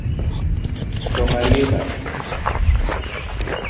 To marieba?